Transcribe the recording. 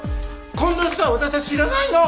こんな人は私は知らないの！